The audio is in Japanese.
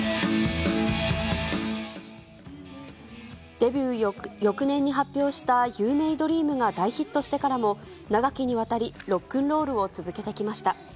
デビュー翌年に発表したユー・メイ・ドリームが大ヒットしてからも、長きにわたり、ロックンロールを続けてきました。